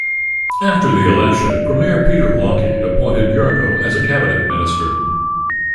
After the election Premier Peter Lougheed appointed Yurko as a cabinet minister.